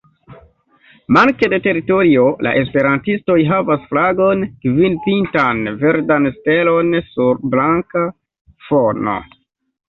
Manke de teritorio, la esperantistoj havas flagon, kvinpintan verdan stelon sur blanka fono.